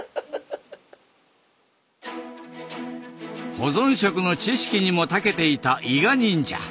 保存食の知識にもたけていた伊賀忍者。